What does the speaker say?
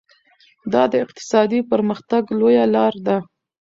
دا د اقتصادي پرمختګ لویه لار ده.